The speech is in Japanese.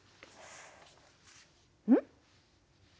うん？